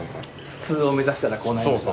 普通を目指したらこうなりました。